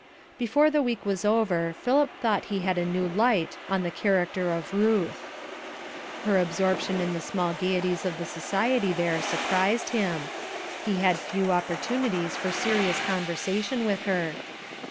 Before the week was over Philip thought he had a new light on the character of Ruth. Her absorption in the small gaieties of the society there surprised him. He had few opportunities for serious conversation with her.